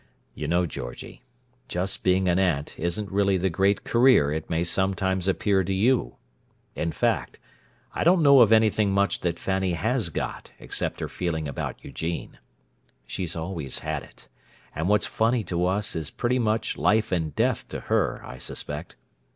You know, Georgie, just being an aunt isn't really the great career it may sometimes appear to you! In fact, I don't know of anything much that Fanny has got, except her feeling about Eugene. She's always had it—and what's funny to us is pretty much life and death to her, I suspect.